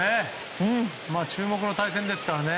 注目の対戦ですからね。